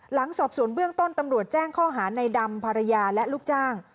หลังสอบสวนเบื้องต้นตำรวจแจ้งข้อหาในดำภรรยาและลูกจ้าง